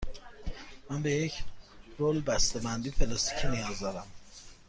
من به یک رول بسته بندی پلاستیکی نیاز دارم.